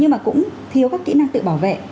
nhưng mà cũng thiếu các kỹ năng tự bảo vệ